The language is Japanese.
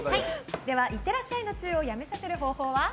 では、いってらっしゃいのチューをやめさせる方法は？